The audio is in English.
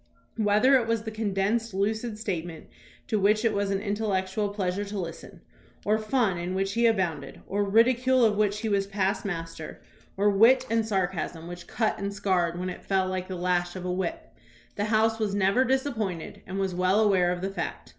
Whether it was the condensed, lucid statement to which it was an intellectual pleasure to listen, or fun in which he abounded, or ridicule of which he was past master, or wit and sarcasm which THOMAS BRACKETT REED 199 cut and scarred when it fell like the lash of a whip, the House was never disappointed and was well aware of the fact.